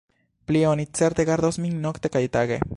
Plie, oni certe gardos min nokte kaj tage.